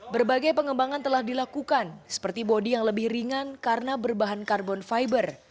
berbagai pengembangan telah dilakukan seperti bodi yang lebih ringan karena berbahan karbon fiber